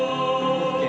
ＯＫ。